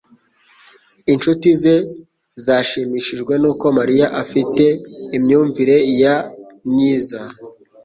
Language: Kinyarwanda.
inshuti ze zose zashimishijwe nuko Mariya afite imyumvire ya myiza